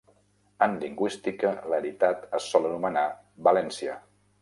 En lingüística, l'aritat es sol anomenar "valència".